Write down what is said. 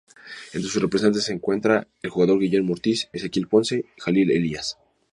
Entre sus representados se encuentra el jugador Guillermo Ortiz, Ezequiel Ponce, Jalil Elías.